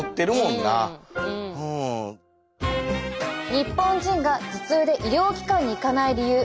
日本人が頭痛で医療機関に行かない理由。